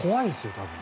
多分。